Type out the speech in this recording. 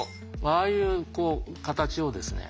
ああいう形をですね